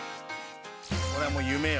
「これはもう夢よ」